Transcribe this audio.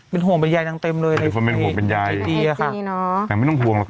เป็นห่วงเป็นยายนางเต็มเลยนะเป็นคนเป็นห่วงเป็นยายดีอะค่ะแต่ไม่ต้องห่วงหรอก